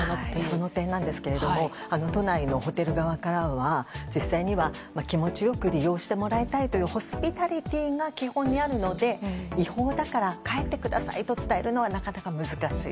その点ですが都内のホテル側からは実際には気持ちよく利用してもらいたいというホスピタリティーが基本にあるので違法だから帰ってくださいと伝えるのは、なかなか難しい。